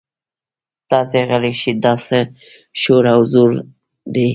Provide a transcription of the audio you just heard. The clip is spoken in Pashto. تاسې غلي شئ دا څه شور او ځوږ دی.